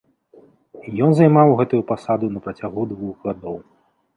Ён займаў гэтую пасаду на працягу двух гадоў.